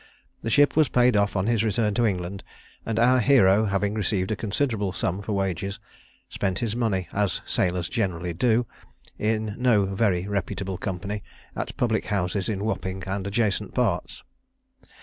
The ship was paid off on his return to England; and our hero receiving a considerable sum for wages, spent his money, as sailors generally do, in no very reputable company, at public houses in Wapping and adjacent parts.